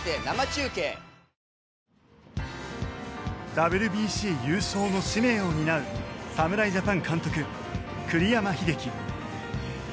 ＷＢＣ優勝の使命を担う侍ジャパン監督栗山英樹。